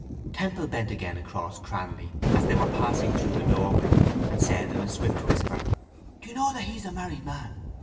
Temple bent again across Cranly, as they were passing through the doorway, and said in a swift whisper: —Do you know that he is a married man?